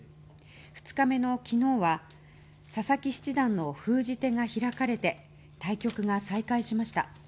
２日目の昨日は佐々木七段の封じ手が開かれて対局が再開しました。